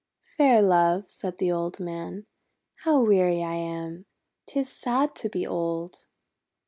"Fair Love," said the old man, "how weary I am! 'Tis sad to be old."